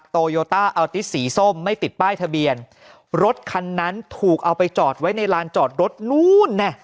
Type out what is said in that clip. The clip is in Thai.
โตโยต้าอัลติสีส้มไม่ติดป้ายทะเบียนรถคันนั้นถูกเอาไปจอดไว้ในลานจอดรถนู้นแน่